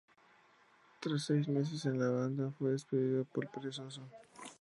Tras seis meses en la banda fue despedido por perezoso.